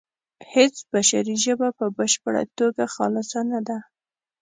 هیڅ بشري ژبه په بشپړه توګه خالصه نه ده